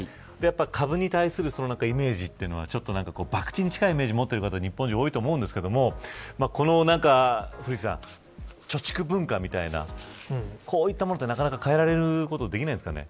株に対するイメージというのはばくちに近いイメージを持っている方が多いと思うんですけど貯蓄文化みたいなこういったものって変えられることできないんですかね。